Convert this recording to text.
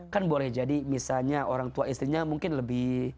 kan boleh jadi misalnya orang tua istrinya mungkin lebih